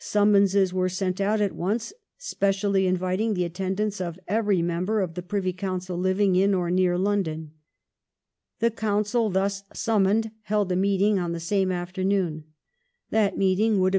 Summonses were sent out at once specially inviting the attendance of every member of the Privy Council living in or near London. The Council thus summoned held a meet ing on the same afternoon. That meeting would have 366 THE REIGN OF QUEEN ANNE. ch. xxxviii.